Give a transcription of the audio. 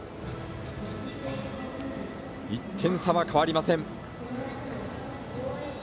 １点差は変わりません。